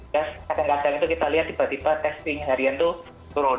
terus kadang kadang itu kita lihat tiba tiba testing harian itu turun